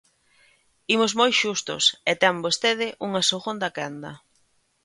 Imos moi xustos e ten vostede unha segunda quenda.